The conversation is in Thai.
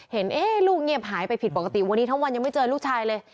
เห็นลูกเงียบหายไปผิดปกติวันนี้ทั้งวันยังไม่เจอลูกชายเลย